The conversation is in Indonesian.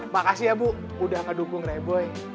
makasih ya bu udah kedukung reboy